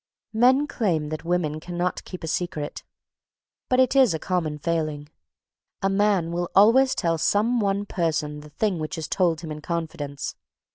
Men claim that women cannot keep a secret, but it is a common failing. A man will always tell some one person the thing which is told him in confidence.